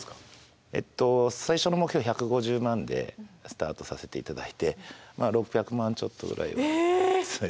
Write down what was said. えっと最初の目標１５０万でスタートさせていただいてまあ６００万ちょっとぐらいは。え！